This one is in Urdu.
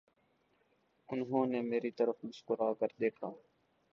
انہوں نے میرے طرف مسکرا کر دیکھا